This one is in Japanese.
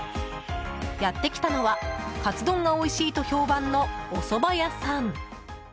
やってきたのは、カツ丼がおいしいと評判の、おそば屋さん。